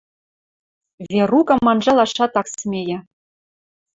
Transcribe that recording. Верукым анжалашат ак смейӹ.